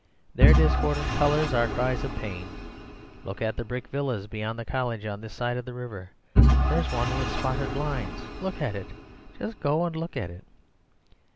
Their discordant colours are cries of pain. Look at the brick villas beyond the college on this side of the river. There's one with spotted blinds; look at it! just go and look at it!